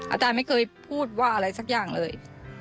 อาจารย์ไม่เคยพูดว่าอะไรสักอย่างเลย